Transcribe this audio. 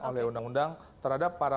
oleh undang undang terhadap para